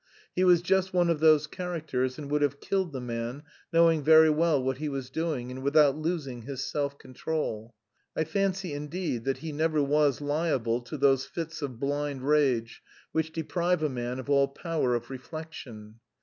He was just one of those characters, and would have killed the man, knowing very well what he was doing, and without losing his self control. I fancy, indeed, that he never was liable to those fits of blind rage which deprive a man of all power of reflection.